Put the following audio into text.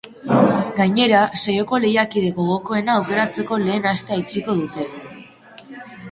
Gainera, saioko lehiakide gogokoena aukeratzeko lehen astea itxiko dute.